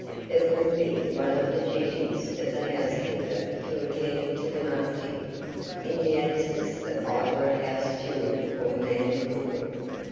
It will be one of the duties of the housekeeper to attend to the marketing, in the absence of either a house steward or man cook.